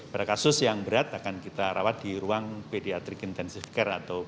pada kasus yang berat akan kita rawat di ruang pediatric intensive care